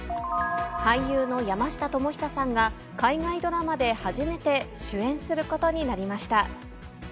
俳優の山下智久さんが、海外ドラマで初めて主演することになりました。